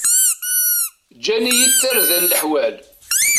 Ǧǧan-iyi-d tarda leḥwal.